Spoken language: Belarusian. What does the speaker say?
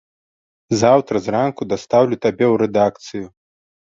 Заўтра зранку дастаўлю табе ў рэдакцыю.